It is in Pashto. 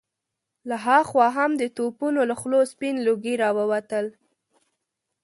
له هاخوا هم د توپونو له خولو سپين لوګي را ووتل.